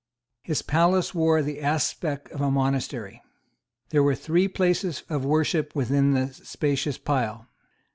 His palace wore the aspect of a monastery. There were three places of worship within the spacious pile.